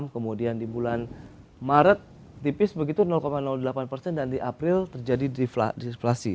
kemudian di bulan maret tipis begitu delapan persen dan di april terjadi disflasi